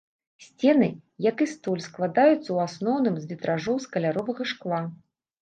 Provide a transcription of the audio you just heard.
Сцены, як і столь, складаюцца ў асноўным з вітражоў з каляровага шкла.